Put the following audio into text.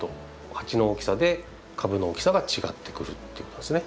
鉢の大きさで株の大きさが違ってくるということですね。